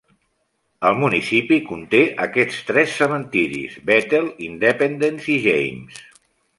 El municipi conté aquests tres cementiris: Bethel, Independence i James.